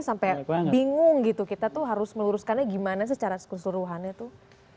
sampai bingung gitu kita tuh harus meluruskannya gimana sih secara keseluruhannya tuh